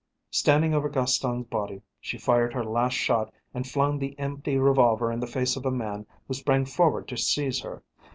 Standing over Gaston's body she fired her last shot and flung the empty revolver in the face of a man who sprang forward to seize her.